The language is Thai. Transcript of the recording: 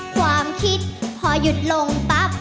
ความคิดพอหยุดลงปั๊บ